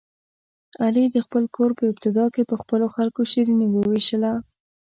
علي د خپل کور په ابتدا کې په خلکو شیریني ووېشله.